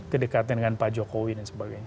kedekatan dengan pak jokowi dan sebagainya